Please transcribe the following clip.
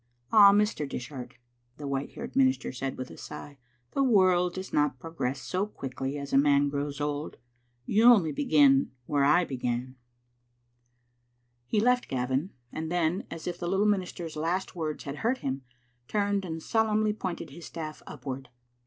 "Ah, Mr. Dishart," the white haired minister said^ with a sigh, " the world does not progress so quickly as a man grows old. You only begin where I bc^g^." He left Gavin, and then, as if the little minister's last words had hurt him, turned and solemnly pointed his staff upward.